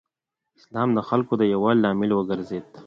اسلام د خلکو د یووالي لامل وګرځېد.